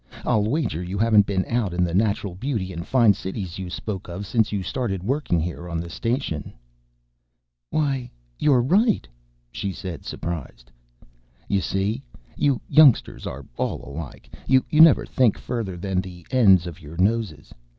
I'll wager you haven't been out in the natural beauty and fine cities you spoke of since you started working here on the station." "Why, you're right," she said, surprised. "You see? You youngsters are all alike. You never think further than the ends of your noses.